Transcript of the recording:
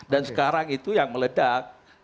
dan sekarang itu yang meledak